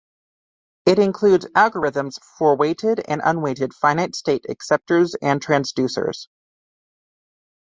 It includes algorithms for weighted and unweighted finite-state acceptors and transducers.